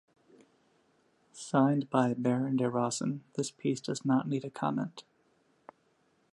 Signed by Baron DE ROSEN. "This piece does not need a comment.